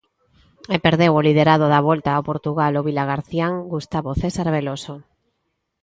E perdeu o liderado da Volta a Portugal o vilagarcían Gustavo César Veloso.